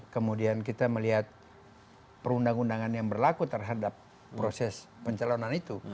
kemudian kita melihat perundang undangan yang berlaku terhadap proses pencalonan itu